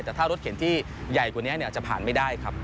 แต่ถ้ารถเข็นที่ใหญ่กว่านี้จะผ่านไม่ได้ครับ